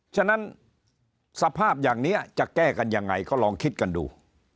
ฉะนั้นสภาพอย่างนี้จะแก้กันยังไงก็ลองคิดกันดู